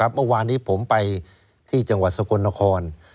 เมื่อวานนี้ผมไปที่จังหวัดสกลนคร